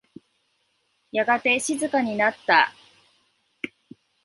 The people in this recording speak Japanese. やがて静かになった。